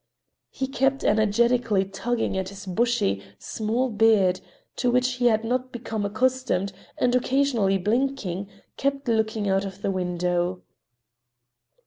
He kept energetically tugging at his bushy, small beard, to which he had not become accustomed, and continually blinking, kept looking out of the window.